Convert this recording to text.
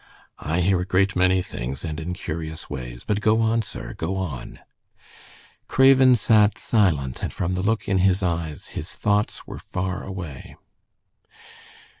"I hear a great many things, and in curious ways. But go on, sir, go on." Craven sat silent, and from the look in his eyes his thoughts were far away.